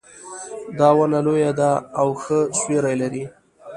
دا ونه لویه ده او ښه سیوري لري